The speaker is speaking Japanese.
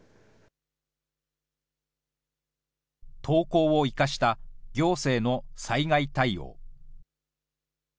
投稿を生かした行政の災害対応。